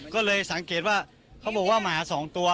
ก็เลยสังเกตว่าเขาบอกว่าหมา๒ตัว